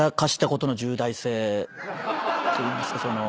といいますかその。